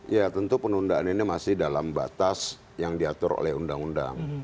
ya tentu penundaan ini masih dalam batas yang diatur oleh undang undang